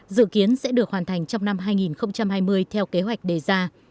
dự kiến sẽ được hoàn thành trong năm hai nghìn hai mươi theo kế hoạch đề ra